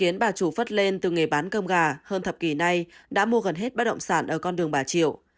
nhưng từ nghề bán cơm gà hơn thập kỷ nay đã mua gần hết bát động sản ở con đường bà triệu